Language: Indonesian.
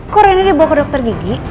kok rena dibawa ke dokter gigi